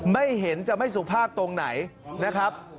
ไม่เห็นจะไม่สุภาพตรงไหนนะครับ